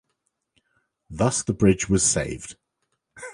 Thus the bridge was saved.